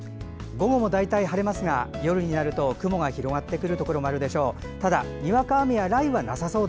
午後も大体晴れますが夜になると雲が広がってくるところがあるでしょう。